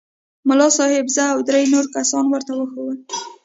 ملا صاحب زه او درې نور کسان ورته وښوولو.